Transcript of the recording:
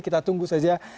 kita tunggu saja